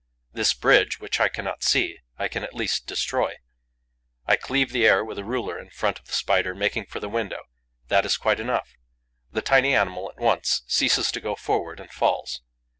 This bridge, which I cannot see, I can at least destroy. I cleave the air with a ruler in front of the Spider making for the window. That is quite enough: the tiny animal at once ceases to go forward and falls.